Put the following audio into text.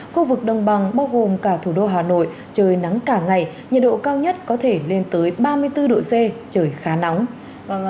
khu vực đông bằng bao gồm cả thủ đô hà nội trời nắng cả ngày nhiệt độ cao nhất có thể lên tới ba mươi bốn độ c trời khá nóng